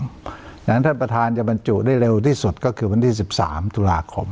เพราะฉะนั้นท่านประธานจะบรรจุได้เร็วที่สุดก็คือวันที่๑๓ตุลาคม